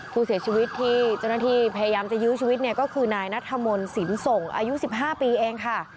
ผู้เสียชีวิตที่เจ้าหน้าที่พยายามจะยื้อชีวิตเนี่ยก็คือนายนัทธมนต์สินส่งอายุ๑๕ปีเองค่ะ